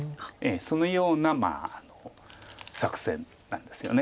そのような作戦なんですよね。